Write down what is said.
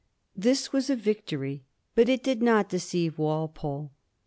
This was a victory; but it did not deceive Walpole.